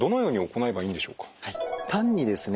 単にですね